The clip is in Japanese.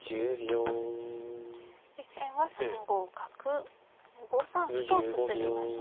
実戦は３五角５三歩と進みました。